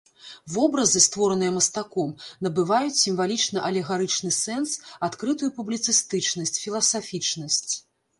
Вобразы, створаныя мастаком, набываюць сімвалічна-алегарычны сэнс, адкрытую публіцыстычнасць, філасафічнасць.